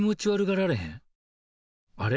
あれ？